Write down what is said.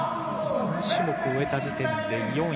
３種目を終えた時点で４位。